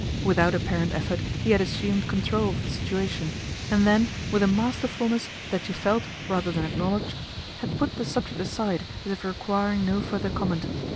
Without apparent effort he had assumed control of the situation, and then with a masterfulness that she felt rather than acknowledged, had put the subject aside as if requiring no further comment.